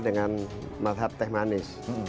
dengan masyarakat tehmanik